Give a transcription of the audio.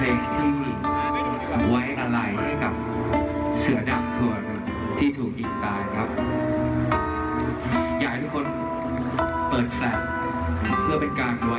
โอ้โหผลลุกมากคุณ